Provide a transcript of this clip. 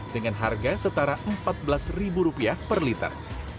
dengan harga setara empat belas ribu rupiah per liter